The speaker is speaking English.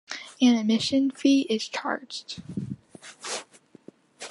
An admission fee is charged.